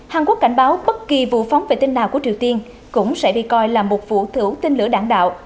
hàn quốc cảnh báo bất kỳ vụ phóng vệ tinh nào của triều tiên cũng sẽ bị coi là một vụ thử tên lửa đạn đạo